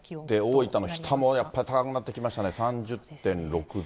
大分の日田もやっぱり高くなってきましたね、３０．６度。